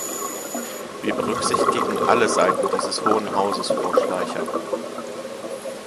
Wir berücksichtigen alle Seiten dieses Hohen Hauses, Frau Schleicher.